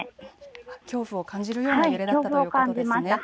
恐怖を感じるような揺れだったということですね。